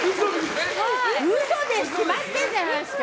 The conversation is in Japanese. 嘘に決まってるじゃないですか！